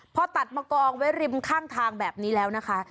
พอตัดมากองไว้ริมข้างทางแบบนี้แล้วนะคะ